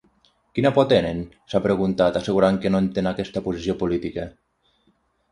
Quina por tenen?, s’ha preguntat, assegurant que no entén aquesta posició política.